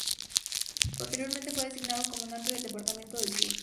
Posteriormente, fue designado comandante del Departamento del Sur.